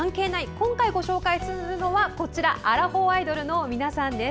今回ご紹介するのはアラフォーアイドルの皆さんです。